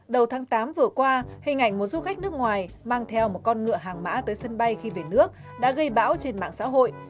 đầu tháng tám vừa qua hình ảnh một du khách nước ngoài mang theo một con ngựa hàng mã tới sân bay khi về nước đã gây bão trên mạng xã hội